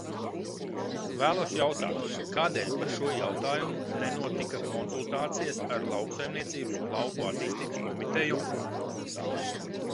Vēlos jautāt, kādēļ par šo jautājumu nenotika konsultācijas ar Lauksaimniecības un lauku attīstības komiteju?